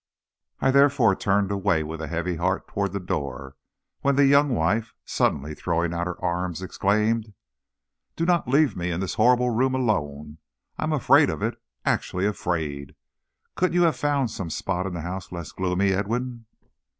I therefore turned away with a heavy heart toward the door, when the young wife, suddenly throwing out her arms, exclaimed: "Do not leave me in this horrible room alone! I am afraid of it actually afraid! Couldn't you have found some spot in the house less gloomy, Edwin?"